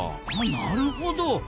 あなるほど！